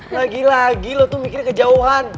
lagi lagi lo tuh mikirin kejauhan